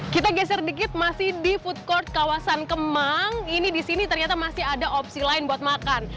kita geser dikit masih di food court kawasan kemang ini di sini ternyata masih ada opsi lain buat makan